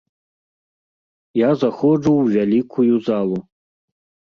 Я заходжу ў вялікую залу.